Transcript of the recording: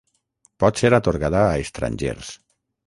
Pot ser atorgada a estrangers.